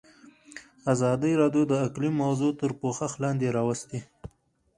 ازادي راډیو د اقلیم موضوع تر پوښښ لاندې راوستې.